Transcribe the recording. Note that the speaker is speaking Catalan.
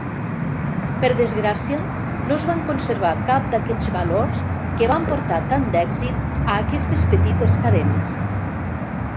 Per desgràcia, no es van conservar cap d'aquests valors que van portar tant d'èxit a aquestes petites cadenes.